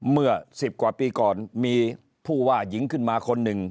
เมื่อ๑๐กว่าปีก่อนมีผู้ว่าหญิงขึ้นมาคนหนึ่ง